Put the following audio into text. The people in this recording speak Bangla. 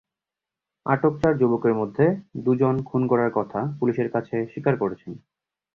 আটক চার যুবকের মধ্যে দুজন খুন করার কথা পুলিশের কাছে স্বীকার করেছেন।